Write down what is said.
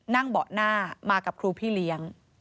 เบาะหน้ามากับครูพี่เลี้ยง